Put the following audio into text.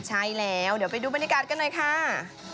ใช่แล้วเดี๋ยวไปดูบรรยากาศกันหน่อยค่ะ